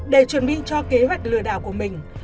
để chuẩn bị cho kế hoạch lừa đảo của mình